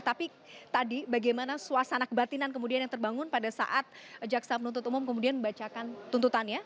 tapi tadi bagaimana suasana kebatinan kemudian yang terbangun pada saat jaksa penuntut umum kemudian membacakan tuntutannya